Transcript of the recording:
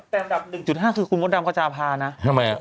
แต่อันดับหนึ่งจุดห้าคือคุณมดดำกระจาภานะทำไมอะ